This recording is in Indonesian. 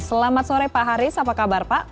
selamat sore pak haris apa kabar pak